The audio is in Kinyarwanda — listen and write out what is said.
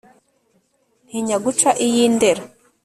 Ntinya guca iy' i Ndera